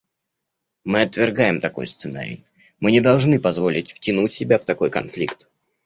Мы отвергаем такой сценарий; мы не должны позволить втянуть себя в такой конфликт.